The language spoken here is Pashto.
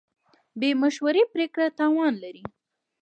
بې مشورې پرېکړه تاوان لري.